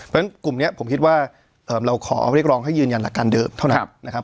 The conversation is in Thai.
เพราะฉะนั้นกลุ่มนี้ผมคิดว่าเราขอเรียกร้องให้ยืนยันหลักการเดิมเท่านั้นนะครับ